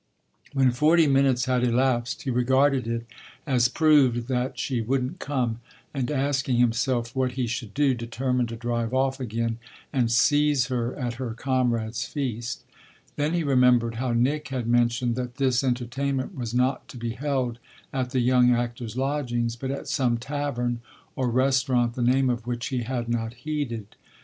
When forty minutes had elapsed he regarded it as proved that she wouldn't come, and, asking himself what he should do, determined to drive off again and seize her at her comrade's feast. Then he remembered how Nick had mentioned that this entertainment was not to be held at the young actor's lodgings but at some tavern or restaurant the name of which he had not heeded.